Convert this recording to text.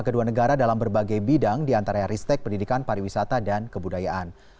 kedua negara dalam berbagai bidang diantara ristek pendidikan pariwisata dan kebudayaan